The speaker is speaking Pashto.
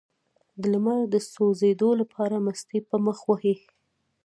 د لمر د سوځیدو لپاره مستې په مخ ووهئ